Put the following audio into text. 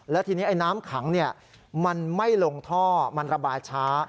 และทีนี้ไอ้น้ำขังมันไม่ลงท่อมันระบายช้า